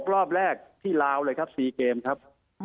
รอบแรกที่ลาวเลยครับ๔เกมครับ